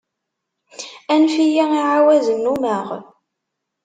Anef-iyi, i ɛawaz nnumeɣ.